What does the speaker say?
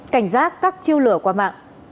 cảnh giác các chiêu lửa